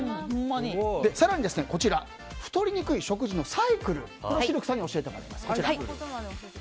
更に太りにくい食事のサイクルをシルクさんに教えてもらいます。